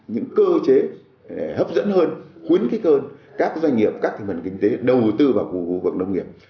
những cơ chế hấp dẫn hơn khuyến khích hơn các doanh nghiệp các thị phần kinh tế đầu tư vào khu vực nông nghiệp